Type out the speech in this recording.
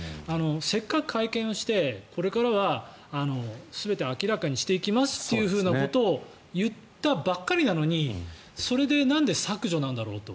せっかく会見をしてこれからは全て明らかにしていきますということを言ったばっかりなのにそれでなんで削除なんだろうと。